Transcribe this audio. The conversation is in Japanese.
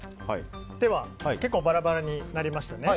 結構バラバラになりましたね。